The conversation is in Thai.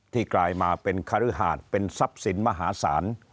กลายมาเป็นคฤหาสเป็นทรัพย์สินมหาศาล